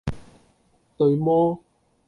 「對麼？」